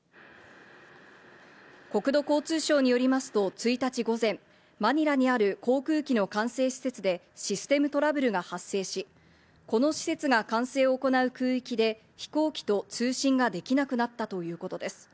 国土交通省によりますと１日午前、マニラにある航空機の管制施設でシステムトラブルが発生し、この施設が管制を行う空域で飛行機と通信ができなくなったということです。